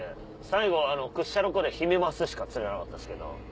最後屈斜路湖でヒメマスしか釣れなかったですけど。